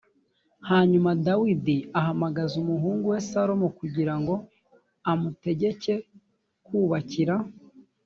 hanyuma dawidi ahamagaza umuhungu we salomo kugira ngo amutegeke kubakira